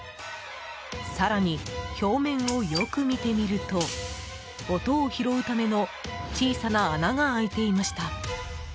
更に、表面をよく見てみると音を拾うための小さな穴が開いていました。